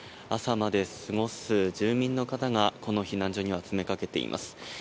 朝まで過ごす住民の方がこの避難所には詰めかけています。